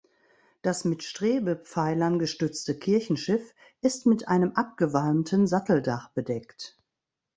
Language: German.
Das mit Strebepfeilern gestützte Kirchenschiff ist mit einem abgewalmten Satteldach bedeckt.